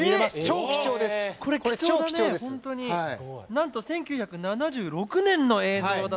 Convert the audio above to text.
なんと１９７６年の映像だそうです。